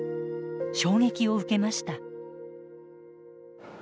衝撃を受けました。